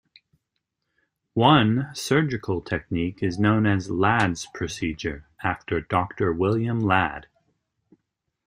One surgical technique is known as "Ladd's procedure", after Doctor William Ladd.